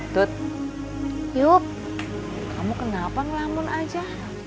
tut yuk kamu kenapa ngelamun aja